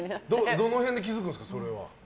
どの辺で気づくんですかそれは。